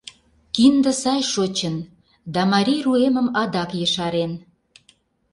Кинде сай шочын, да марий руэмым адак ешарен.